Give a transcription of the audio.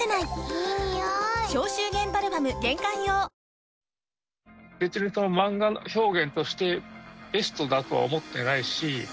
ニトリ別に漫画表現として、ベストだとは思ってないし。